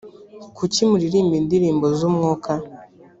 kuki muririmba indirimbo z umwuka